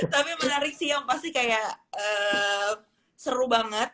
tapi menarik sih yang pasti kayak seru banget